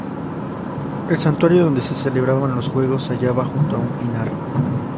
El santuario donde se celebraban los juegos se hallaba junto a un pinar.